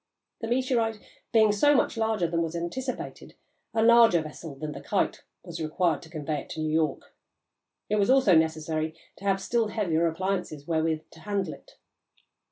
The meteorite being so much larger than was anticipated, a larger vessel than the Kite was required to convey it to New York; it was also necessary to have still heavier appliances wherewith to handle it.